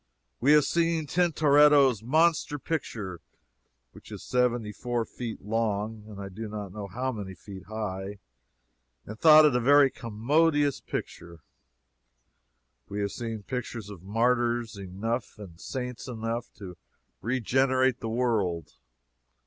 We have seen Tintoretto's monster picture, which is seventy four feet long and I do not know how many feet high, and thought it a very commodious picture. We have seen pictures of martyrs enough, and saints enough, to regenerate the world.